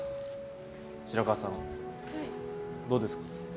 白河さん、どうですか？